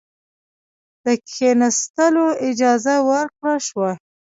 د کښېنستلو اجازه ورکړه شوه.